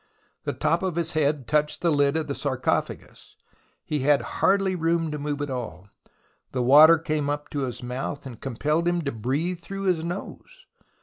The top of his head touched the lid of the sarcophagus, he had hardly room to move at all, the water came up to his mouth and compelled him to breathe through his nose.